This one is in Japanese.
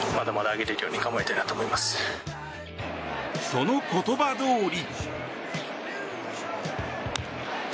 その言葉どおり。